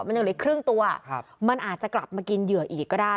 มันยังเหลืออีกครึ่งตัวมันอาจจะกลับมากินเหยื่ออีกก็ได้